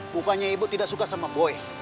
bukannya ibu tidak suka sama boy